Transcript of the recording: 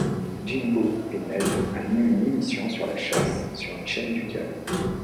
Jimbo et Ned animent une émission sur la chasse sur une chaîne du câble.